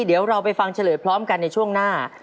เดี๋ยวเราไปฟังเฉลยพร้อมกันในช่วงหน้า